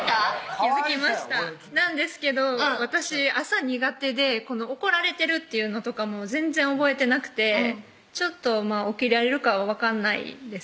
気付きましたなんですけど私朝苦手で怒られてるっていうのとかも全然覚えてなくてちょっと起きられるかは分かんないです